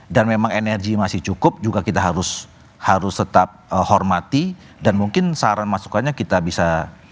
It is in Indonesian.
dan memang energi masih cukup juga kita harus tetap hormati dan mungkin saran masukannya kita bisa